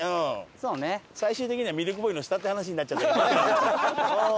最終的にはミルクボーイの下って話になっちゃったけどね。